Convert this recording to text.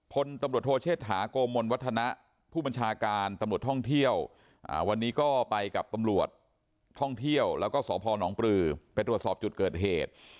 พลตำรวจโทเชษฐาโกมลวัฒนะผู้บัญชาการตำรวจท่องเที่ยววันนี้ก็ไปกับตำรวจท่องเที่ยวแล้วก็สพนปลือไปตรวจสอบจุดเกิดเหตุ